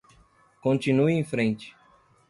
Continue em frente